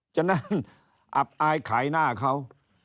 ฉะนั้นอับอายขายหน้าเขา